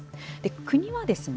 国はですね